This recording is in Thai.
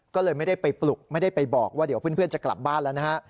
ก็เลยไม่ได้ไปปลุกไม่ได้ไปบอกว่าเดี๋ยวเพื่อนจะกลับบ้านแล้วนะฮะ